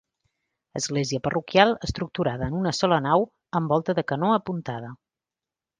Església parroquial estructurada en una sola nau, amb volta de canó apuntada.